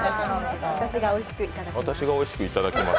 私がおいしくいただきます。